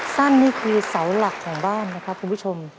สั้นนี่คือเสาหลักของบ้านนะครับคุณผู้ชม